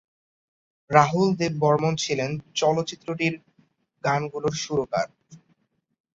রাহুল দেব বর্মণ ছিলেন চলচ্চিত্রটির গানগুলোর সুরকার।